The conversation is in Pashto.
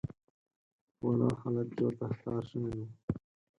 په ولاړ حالت کې ورته ښکار شونی و.